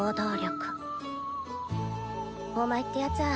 お前ってやつは。